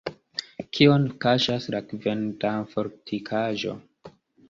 Kion kaŝas la Kvendan-fortikaĵo?